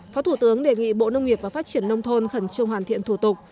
phó thủ tướng đề nghị bộ nông nghiệp và phát triển nông thôn khẩn trương hoàn thiện thủ tục